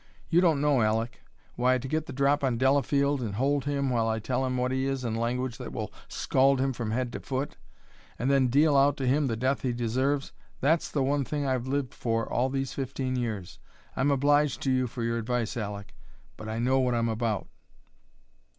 You don't know, Aleck why, to get the drop on Delafield and hold him while I tell him what he is in language that will scald him from head to foot, and then deal out to him the death he deserves that's the one thing I've lived for all these fifteen years! I'm obliged to you for your advice, Aleck; but I know what I'm about."